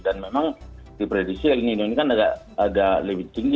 dan memang diprediksi lagi ini kan agak lebih tinggi